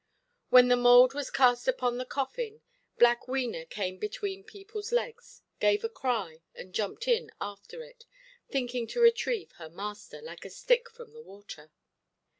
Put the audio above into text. When the mould was cast upon the coffin, black Wena came between peopleʼs legs, gave a cry, and jumped in after it, thinking to retrieve her master, like a stick from the water.